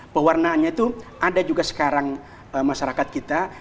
pewarnaannya itu ada juga sekarang masyarakat kita